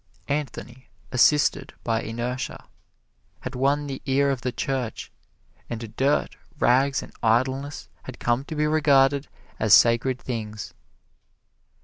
Anthony, assisted by inertia, had won the ear of the Church; and dirt, rags and idleness had come to be regarded as sacred things.